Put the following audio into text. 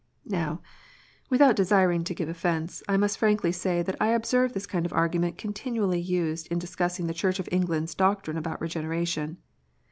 " Now without desiring to give offence, I must frankly say that I observe this kind of argument continually used in dis cussing the Church of England s doctrine about Regeneration.